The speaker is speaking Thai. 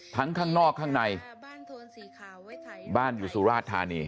ข้างนอกข้างในบ้านอยู่สุราชธานี